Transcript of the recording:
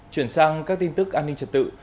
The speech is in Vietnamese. chuyển sang các tin tức an ninh trật tự